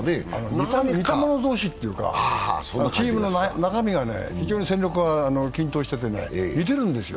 似た者同士というか、チームの中身が非常に戦力が均等していて似てるんですよ。